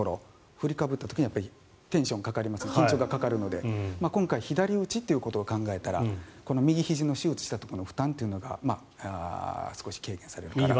右打ちだったら右の手術をしたところ振りかぶった時にテンションがかかるので今回左打ちということを考えたら右ひじの手術したところの負担というのが少し軽減されるかなと。